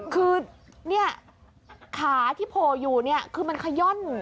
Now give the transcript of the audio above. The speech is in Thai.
คือขาที่โผล่อยู่คือมันไข้ย่อน